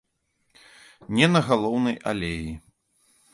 Не на галоўнай алеі.